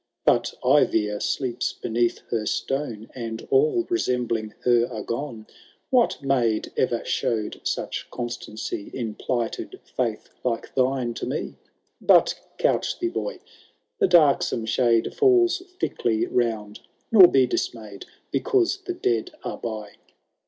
But Eivir sleeps beneath her stone, And all resembling her are gone. What maid e^er showed such constancy In plighted faith, like thine to me ? But couch thee, boy ; the darksome shade Falls thickly round, nor be dismayM Because the dead are by.